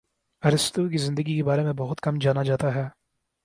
ارسطو کی زندگی کے بارے میں بہت کم جانا جاتا ہے